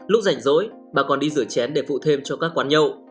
lúc rảnh rỗi bà còn đi rửa chén để phụ thêm cho các quán nhậu